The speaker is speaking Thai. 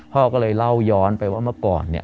พ่อก็เลยเล่าย้อนไปว่าเมื่อก่อนเนี่ย